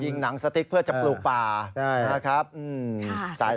หนังสติ๊กเพื่อจะปลูกป่านะครับ